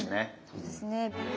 そうですね。